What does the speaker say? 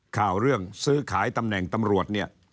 ข่าวเรื่องซื้อขายตำแหน่งตำรวจเนี่ย